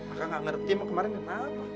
akang gak ngerti emang kemarin kenapa